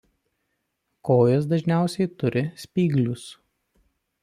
Kojos dažniausiai turi spyglius.